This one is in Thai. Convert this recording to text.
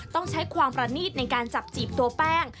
ต้องใช้ความประนีตในการจับจีบตัวแป้ง